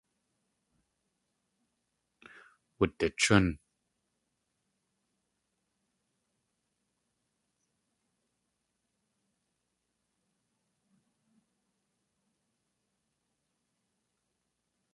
Wudichún.